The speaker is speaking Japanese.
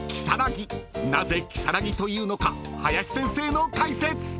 ［なぜ「如月」というのか林先生の解説！］